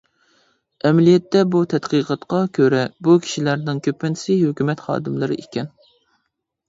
ئەمەلىيەتتە، بۇ تەتقىقاتقا كۆرە، بۇ كىشىلەرنىڭ كۆپىنچىسى ھۆكۈمەت خادىملىرى ئىكەن.